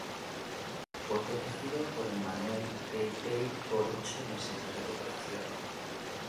Fue protegido por Emmanuel Paye-Paye por ocho meses de recuperación.